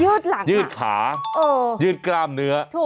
หลังยืดขายืดกล้ามเนื้อ